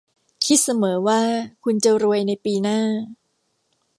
คิดเสมอว่าคุณจะรวยในปีหน้า